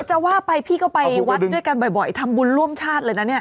จะว่าไปพี่ก็ไปวัดด้วยกันบ่อยทำบุญร่วมชาติเลยนะเนี่ย